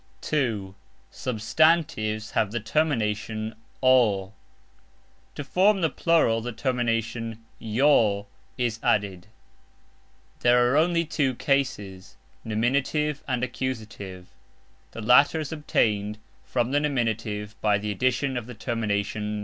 (2) SUBSTANTIVES have the termination "o". To form the plural the termination "j" is added. There are only two cases: nominative and accusative; the latter is obtained from the nominative by the addition of the termination "n".